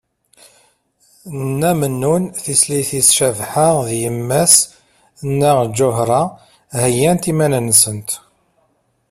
Nna Mennun, tislit-is Cabḥa d yemma-s Nna Ǧuhra heyyant iman-nsent.